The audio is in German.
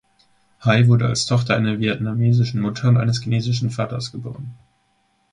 Hai wurde als Tochter einer vietnamesischen Mutter und eines chinesischen Vaters geboren.